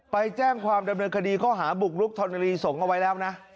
ไปแจ้งความดำเนินคดีข้อหาบุกรุกธรณีสงฆ์เอาไว้แล้วนะ